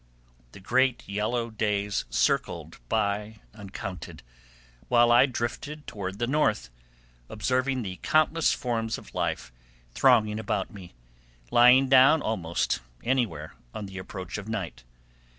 The great yellow days circled by uncounted, while I drifted toward the north, observing the countless forms of life thronging about me, lying down almost anywhere on the approach of night.